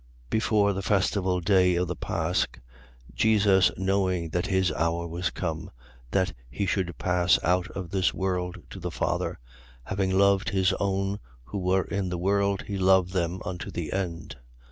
13:1. Before the festival day of the pasch, Jesus knowing that his hour was come, that he should pass out of this world to the Father: having loved his own who were in the world, he loved them unto the end.